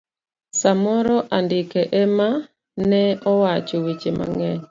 samoro andike emane owacho weche mangeny.